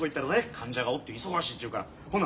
患者がおって忙しいちゅうからほな